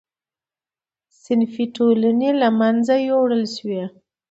صنفي ټولنې له منځه یووړل شوې.